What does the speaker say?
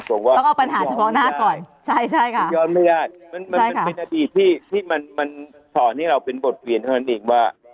จริงมันมันอดีตที่ที่มันมันสอนให้เราเป็นบทเปลี่ยนเท่านั้นเองว่า